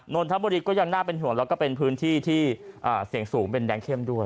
นนทบุรีก็ยังน่าเป็นห่วงแล้วก็เป็นพื้นที่ที่เสี่ยงสูงเป็นแดงเข้มด้วย